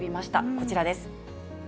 こちらです。